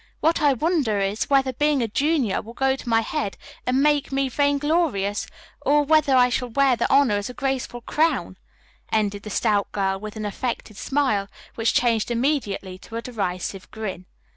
What I wonder is, whether being a junior will go to my head and make me vainglorious or whether I shall wear the honor as a graceful crown," ended the stout girl with an affected smile, which changed immediately to a derisive grin.